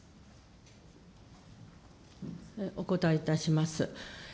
お答えいたします。